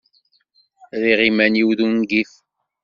Rriɣ iman-iw d ungif.